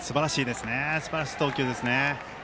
すばらしい投球ですね。